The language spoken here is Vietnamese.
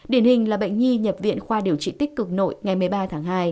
điển hình là bệnh nhi nhập viện khoa điều trị tích cực nội ngày một mươi ba tháng hai